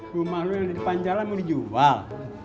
rumah lu yang ada di panjalan mau dijual